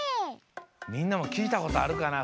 みんなも聞いたことあるかな？